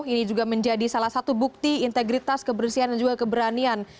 ini juga menjadi salah satu bukti integritas kebersihan dan juga keberanian